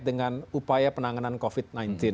dengan upaya penanganan covid sembilan belas